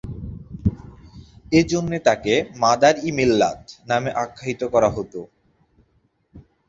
এ জন্যে তাকে মাদার-ই-মিল্লাত নামে আখ্যায়িত করা হতো।